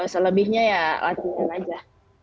selebihnya ya latihan aja